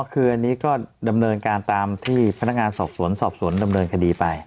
คืออันนี้ก็ดำเนินการตามที่พนักงานสอบสวนสอบสวนดำเนินคดีไป